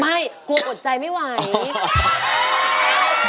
ไม่กลัวก็อดใจไม่ไหว